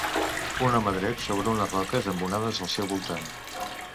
Un home dret sobre unes roques amb onades al seu voltant